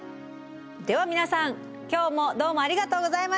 では皆さん今日もどうもありがとうございました。